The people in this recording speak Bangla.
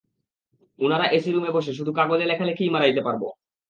ওনারা এসি রুমে বসে, শুধু কাগজে লেখালেখিই মারাইতে পারবো।